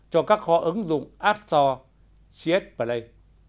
cho các kho ứng dụng app store cs play